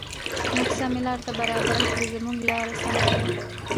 موږ سمې لارې ته برابر کړې زموږ لار سمه کړه.